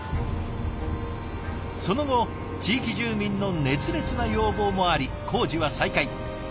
その後地域住民の熱烈な要望もあり工事は再開。